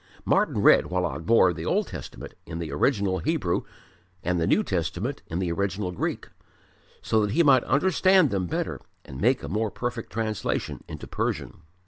Martyn read while on board the Old Testament in the original Hebrew and the New Testament in the original Greek, so that he might understand them better and make a more perfect translation into Persian.